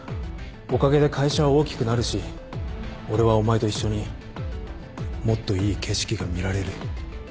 おかげで会社は大きくなるし俺はお前と一緒にもっといい景色が見られる。